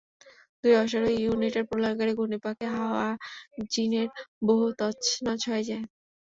দুই অশ্বারোহী ইউনিটের প্রলয়ংকরী ঘূর্ণিপাকে হাওয়াযিনের ব্যুহ তছনছ হয়ে যায়।